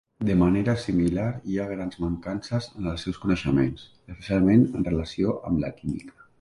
De manera similar, hi ha grans mancances en els seus coneixements, especialment en relació amb la química.